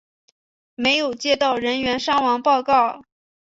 没有接到人员伤亡报告。